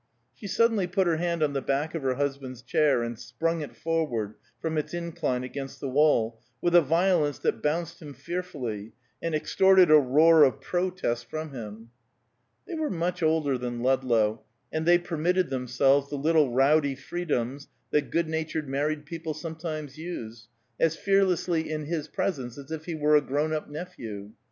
She suddenly put her hand on the back of her husband's chair, and sprung it forward from its incline against the wall, with a violence that bounced him fearfully, and extorted a roar of protest from him. They were much older than Ludlow, and they permitted themselves the little rowdy freedoms that good natured married people sometimes use, as fearlessly in his presence as if he were a grown up nephew.